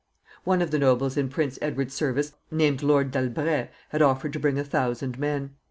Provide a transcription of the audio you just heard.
One of the nobles in Prince Edward's service, named Lord D'Albret, had offered to bring a thousand men.